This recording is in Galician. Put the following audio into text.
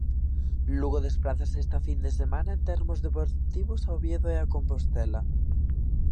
Lugo desprázase esta fin de semana en termos deportivos a Oviedo e a Compostela.